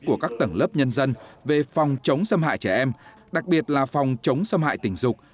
của các tầng lớp nhân dân về phòng chống xâm hại trẻ em đặc biệt là phòng chống xâm hại tình dục